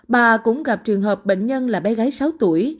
bà cũng gặp trường hợp bệnh nhân là bé gái sáu tuổi